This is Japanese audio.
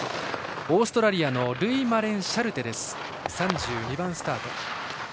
オーストラリアのルイ・マレンシャルテ３２番スタート。